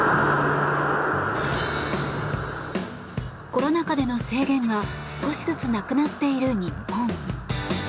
コロナ禍での制限が少しずつなくなっている日本。